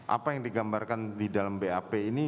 apa yang digambarkan di dalam bap ini